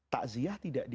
ta'ziyah tidak itu saja